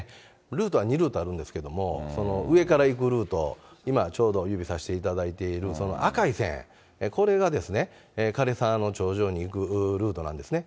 ルートは２ルートあるんですけども、上から行くルート、今ちょうど、指さしていただいているその赤い線、これが枯れ沢の頂上に行くルートなんですね。